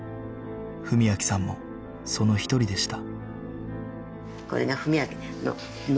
文明さんもその一人でした